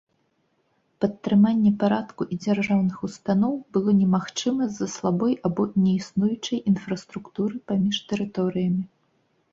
Падтрыманне парадку і дзяржаўных устаноў было немагчыма з-за слабой або неіснуючай інфраструктуры паміж тэрыторыямі.